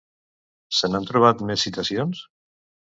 Se n'han trobat més citacions?